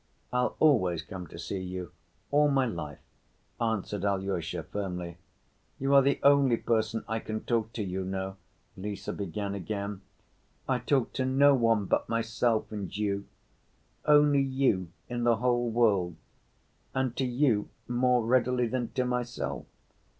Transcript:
"I'll always come to see you, all my life," answered Alyosha firmly. "You are the only person I can talk to, you know," Lise began again. "I talk to no one but myself and you. Only you in the whole world. And to you more readily than to myself.